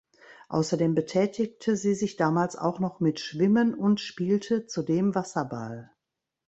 Außerdem betätigte sie sich damals auch noch mit Schwimmen und spielte zudem Wasserball.